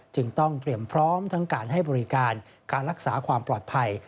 จึงต้องเตรียมพร้อมทั้งการให้บริการการรักษาความปลอดภัย